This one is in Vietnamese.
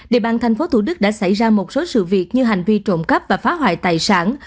địa bàn tp hcm đã xảy ra một số sự việc như hành vi trộm cắp và phá hoại tài sản